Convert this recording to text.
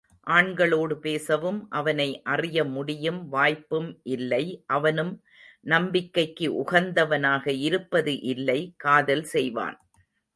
ஆண்களோடு பேசவும், அவனை அறிய முடியும் வாய்ப்பும் இல்லை அவனும் நம்பிக்கைக்கு உகந்தவனாக இருப்பது இல்லை காதல் செய்வான்.